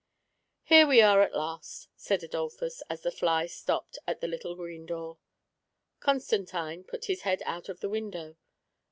" "Here we are at last!" said Adolphus, as the fly stopped at a little green door. Constantino put his head out of the window.